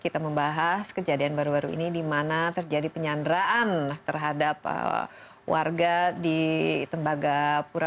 kita membahas kejadian baru baru ini di mana terjadi penyanderaan terhadap warga di tembagapura